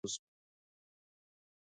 ما خپل بکس له پورتنۍ خانې څخه راکوز کړ.